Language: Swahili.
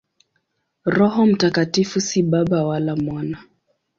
Roho Mtakatifu si Baba wala Mwana.